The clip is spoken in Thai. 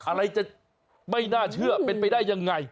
อะไรจะไม่น่าเชื่อเป็นไปได้ยังไง